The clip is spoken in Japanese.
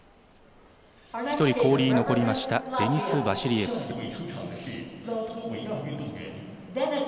１人、氷に残りましたデニス・バシリエフス。